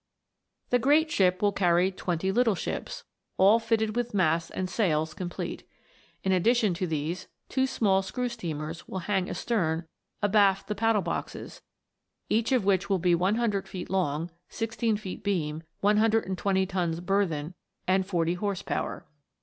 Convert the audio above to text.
The great ship will carry twenty little ships, all fitted with masts and sails complete. In addition to these, two small screw steamers will hang astern abaft the paddle boxes, each of which will be 100 feet long, 16 feet beam, 120 tons burthen, and 40 horse power.